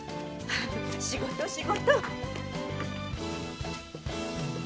仕事仕事。